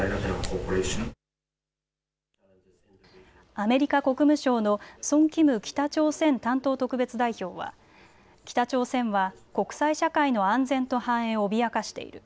アメリカ国務省のソン・キム北朝鮮担当特別代表は北朝鮮は国際社会の安全と繁栄を脅かしている。